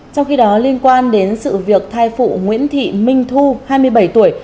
trong khi đó liên quan đến sự việc thai phụ nguyễn thị minh thu hai mươi bảy tuổi